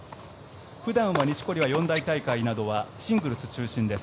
普段は錦織は四大大会などはシングルス中心です。